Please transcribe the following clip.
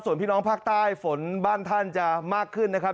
ส่วนพี่น้องภาคใต้ฝนบ้านท่านจะมากขึ้นนะครับ